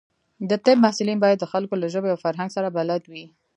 د طب محصلین باید د خلکو له ژبې او فرهنګ سره بلد وي.